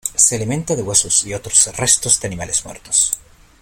Se alimenta de huesos y otros restos de animales muertos.